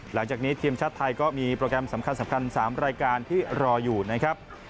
หลังจากนี้ทีมชาติไทยก็มีโปรแกรมสำคัญ๓รายการที่รออยู่นะครับ